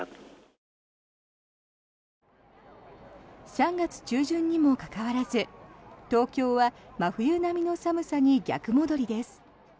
３月中旬にもかかわらず東京は真冬並みの寒さに逆戻りです。